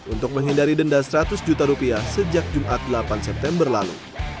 untuk menghindari denda seratus juta rupiah sejak jumat delapan september lalu